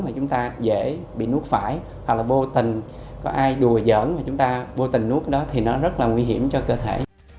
mà chúng ta dễ bị nuốt phải hoặc là vô tình có ai đùa giỡn mà chúng ta vô tình nuốt đó thì nó rất là nguy hiểm cho cơ thể